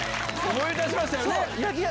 思い出しましたよね。